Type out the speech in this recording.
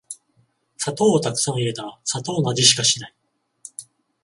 砂糖をたくさん入れたら砂糖の味しかしない